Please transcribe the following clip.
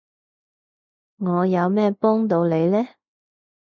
我有咩幫到你呢？